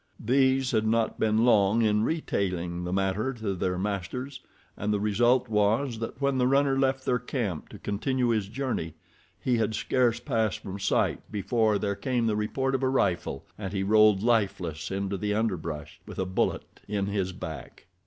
These had not been long in retailing the matter to their masters, and the result was that when the runner left their camp to continue his journey he had scarce passed from sight before there came the report of a rifle and he rolled lifeless into the underbrush with a bullet in his back.